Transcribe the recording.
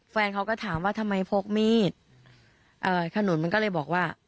แฟนเขาก็ถามว่าทำไมพกมีดเอ่อขนุนมันก็เลยบอกว่า